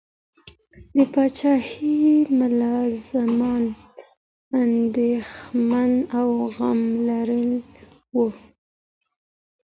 د پاچاهۍ ملازمان اندیښمن او غم لړلي ول.